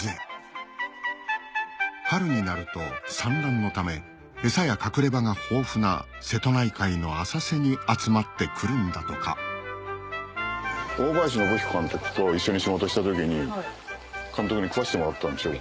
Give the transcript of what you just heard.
春になると産卵のため餌や隠れ場が豊富な瀬戸内海の浅瀬に集まってくるんだとか大林宣彦監督と一緒に仕事した時に監督に食わしてもらったんですよ。